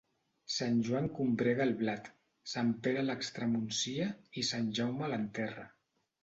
Sant Joan combrega el blat, Sant Pere l'extremuncia i Sant Jaume l'enterra.